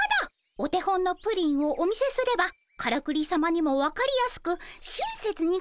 お手本のプリンをお見せすればからくりさまにも分かりやすく親切にございますね。